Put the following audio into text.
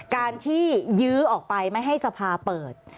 การที่ยื้อออกไปไม่ให้สภาเปิด